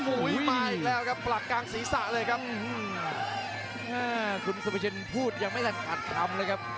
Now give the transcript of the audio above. โอ้โหมาอีกแล้วครับปลักกลางศีรษะเลยครับคุณสุภาชินพูดยังไม่ทันอัดคำเลยครับ